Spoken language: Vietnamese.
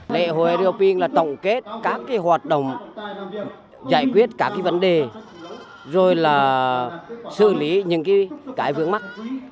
lễ hội arioping là tổng kết các hoạt động giải quyết các vấn đề rồi xử lý những vấn đề mắc